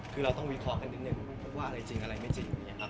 คือเราต้องวิเคราะห์กันนิดนึงว่าอะไรจริงอะไรไม่จริงอย่างนี้ครับ